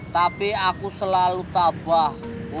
tapi aku selalu tabah